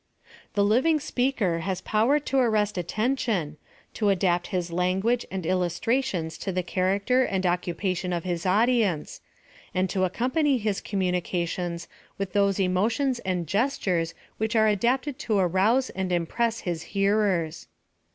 The living speaker has power to arrest attention — to adapt his language and illustrations to the cha racter and occupation of his audience; and to ac company his communications with those emotions and gestures, which are adapted to arouse and im press his hearers.